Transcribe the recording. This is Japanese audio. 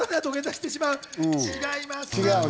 違います。